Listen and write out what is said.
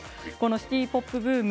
シティ・ポップブーム